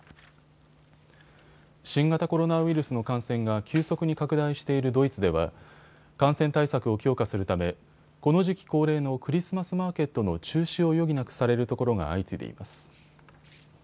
新型コロナウイルスの感染が急速に拡大しているドイツでは感染対策を強化するためこの時期恒例のクリスマスマーケットの中止を余儀なくされるところが相次いでいます。